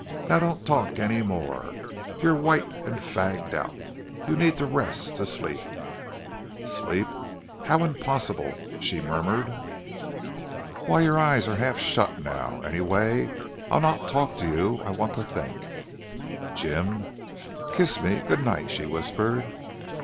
"Now don't talk any more. You're white and fagged out. You need to rest to sleep." "Sleep? How impossible!" she murmured. "Why, your eyes are half shut now.... Anyway, I'll not talk to you. I want to think." "Jim!... kiss me good night," she whispered.